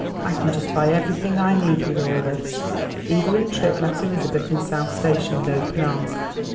"I can just buy everything I need with all this." Evelyn Tripp met Elizabeth in South Station with open arms.